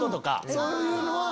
そういうのは。